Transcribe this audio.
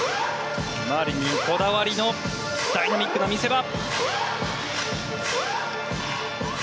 マリニンこだわりのダイナミックな見せ場。